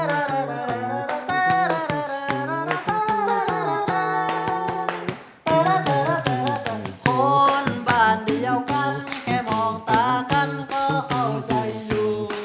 รู้ว่าเหนื่อยแค่ไหนว่านักแค่ไหนบนหลทางสู้